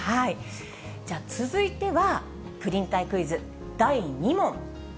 続いては、プリン体クイズ第２問。